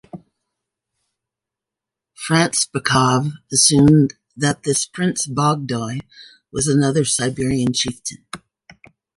Frantsbekov assumed that this Prince Bogdoy was another Siberian chieftain.